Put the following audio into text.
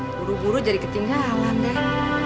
buru buru jadi ketinggalan deh